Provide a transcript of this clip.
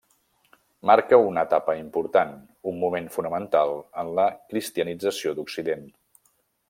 Marca una etapa important, un moment fonamental en la cristianització d'Occident.